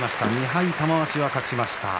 ２敗の玉鷲は勝ちました。